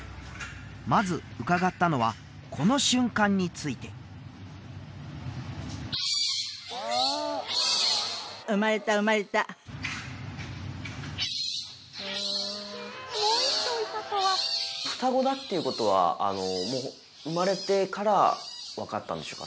まず伺ったのはこの瞬間について双子だっていうことはもう生まれてから分かったんでしょうか？